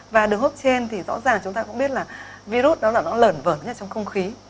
và đường hốp trên thì rõ ràng chúng ta cũng biết là virus đó là nó lẩn vẩn trong không khí